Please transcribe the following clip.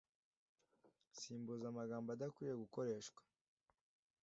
Simbuza amagambo adakwiye gukoreshwa